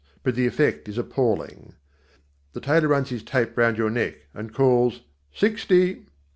But the effect is appalling. The tailor runs his tape round your neck and calls "sixty!"